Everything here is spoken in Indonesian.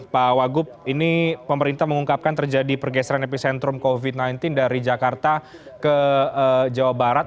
pak wagup ini pemerintah mengungkapkan terjadi pergeseran epicentrum covid sembilan belas dari jakarta ke jawa barat